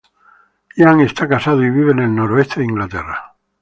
Ian está casado y vive en el Nordeste de Inglaterra.